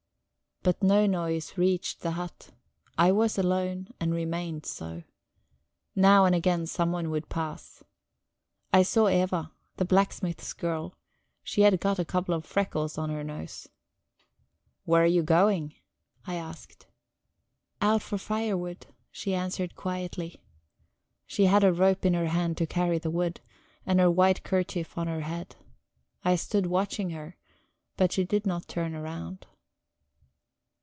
But no noise reached the hut; I was alone, and remained so. Now and again someone would pass. I saw Eva, the blacksmith's girl; she had got a couple of freckles on her nose. "Where are you going?" I asked. "Out for firewood," she answered quietly. She had a rope in her hand to carry the wood, and her white kerchief on her head. I stood watching her, but she did not turn round.